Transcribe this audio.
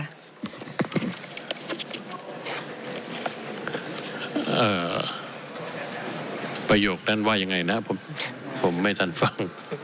เอ่อประโยคนั้นว่าอย่างไรนะผมผมไม่ทันฟัง